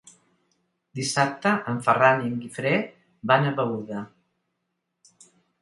Dissabte en Ferran i en Guifré van a Beuda.